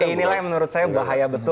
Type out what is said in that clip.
inilah yang menurut saya bahaya betul